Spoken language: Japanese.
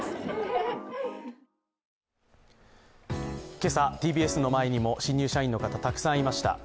今朝、ＴＢＳの前にも新入社員の方、たくさんいました。